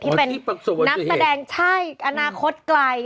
ที่เป็นนักแสดงใช่อนาคตไกล